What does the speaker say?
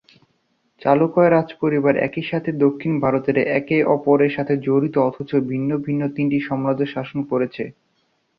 চালুকয় রাজপরিবার একই সাথে দক্ষিণ ভারতের একে অপরের সাথে জড়িত অথচ ভিন্ন ভিন্ন তিনটি সম্রাজ্য শাসন করেছে।